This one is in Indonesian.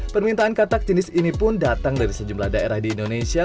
permintaan katak jenis ini pun datang dari sejumlah daerah di indonesia